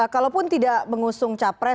kalaupun tidak mengusung capres